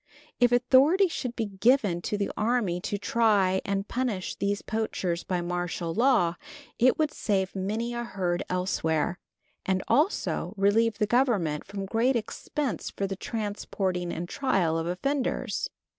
If authority should be given to the army to try and punish these poachers by martial law, it would save many a herd elsewhere, and also relieve the Government from great expense for the transporting and trial of offenders.